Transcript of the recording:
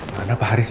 mana pak haris ya